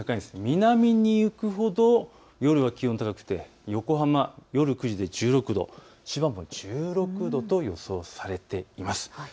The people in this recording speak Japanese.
南に行くほど夜は気温が高くて横浜、夜９時で１６度、千葉も１６度と予想されています。